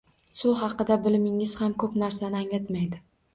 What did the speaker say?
Suv haqidagi bilimimiz ham ko‘p narsani anglatmaydi